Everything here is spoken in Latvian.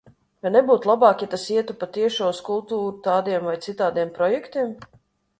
Vai nebūtu labāk, ja tas ietu pa tiešo uz kultūru tādiem vai citādiem projektiem?